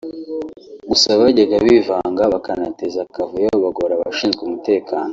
gusa abajyaga bivanga bakanateza akavuyo bagora abashinzwe umutekano